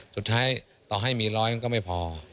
สุดท้ายต่อให้มีร้อยก็ไม่พอ